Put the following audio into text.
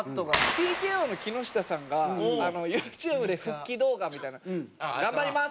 ＴＫＯの木下さんがユーチューブで復帰動画みたいな頑張ります！